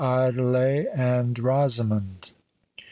ADELAIS AND ROSAMOND.